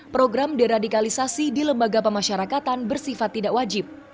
program deradikalisasi di lembaga pemasyarakatan bersifat tidak wajib